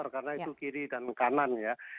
karena itu kiri dan kanan ya